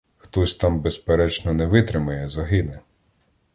Хтось там, безперечно, не витримає, загине.